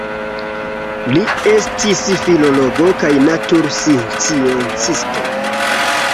Li estis filologo kaj natursciencisto.